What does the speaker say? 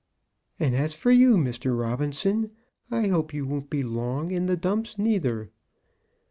And as for you, Mr. Robinson; I hope you won't be long in the dumps, neither."